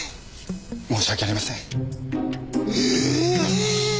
申し訳ありません。え！